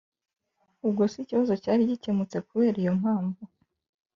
ahubwo se ikibazo cyari gikemutse kubera iyo mpamvu?